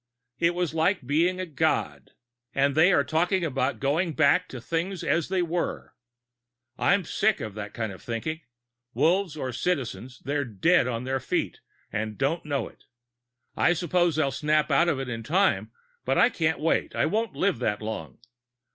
"It was like being a god "And they talk about going back to things as they were "I'm sick of that kind of thinking! Wolves or Citizens, they're dead on their feet and don't know it. I suppose they'll snap out of it in time, but I can't wait. I won't live that long.